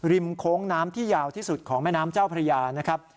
โค้งน้ำที่ยาวที่สุดของแม่น้ำเจ้าพระยานะครับ